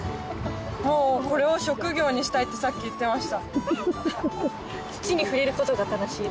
もうこれを職業にしたいってさっき言ってました。